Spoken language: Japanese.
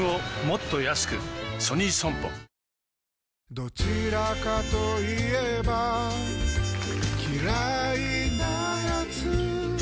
どちらかと言えば嫌いなやつ